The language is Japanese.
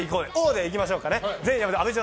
でいきましょう。